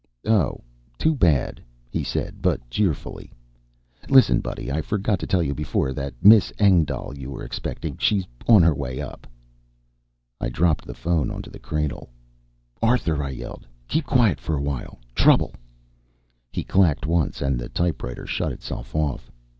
"Oh. Too bad," he said, but cheerfully. "Listen, buddy, I forgot to tell you before. That Miss Engdahl you were expecting, she's on her way up." I dropped the phone onto the cradle. "Arthur!" I yelled. "Keep quiet for a while trouble!" He clacked once, and the typewriter shut itself off.